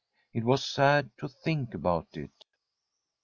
It was sad to think about it.